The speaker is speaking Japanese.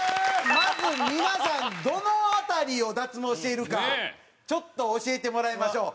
まず皆さんどの辺りを脱毛しているかちょっと教えてもらいましょう。